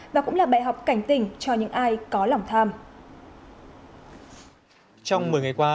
và cũng là bài học cảnh tình cho những ai có lòng tham